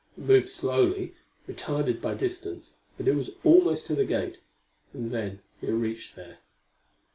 It moved slowly, retarded by distance, but it was almost to the gate; and then it reached there.